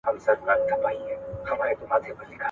د همدغی ترخې .